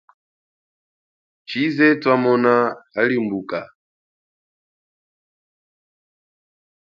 Chize thwamona halimbuka.